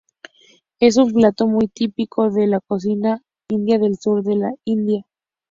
Es un plato muy típico de la cocina india del sur de la India.